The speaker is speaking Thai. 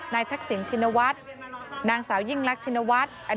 นายทักษิณชินวัฒน์นางสาวยิ่งลักษณวรรณ์ชินวัฒน์